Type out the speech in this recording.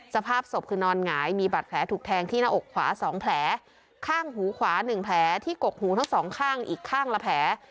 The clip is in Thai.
สภาพศพคือนอนหงายมีบัตรแผลถูกแทงที่หน้าอกขวา๒แผลข้างหูขวา๑แผลที่กกหูทั้งสองข้างอีกข้างละแผล